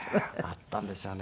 あったんでしょうね。